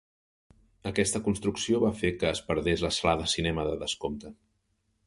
Aquesta construcció va fer que es perdés la sala de cinema de descompte.